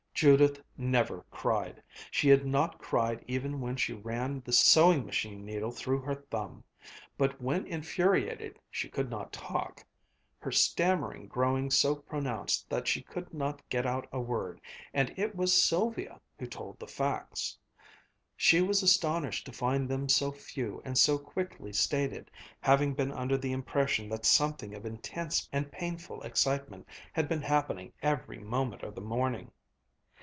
Judith never cried; she had not cried even when she ran the sewing machine needle through her thumb; but when infuriated she could not talk, her stammering growing so pronounced that she could not get out a word, and it was Sylvia who told the facts. She was astonished to find them so few and so quickly stated, having been under the impression that something of intense and painful excitement had been happening every moment of the morning.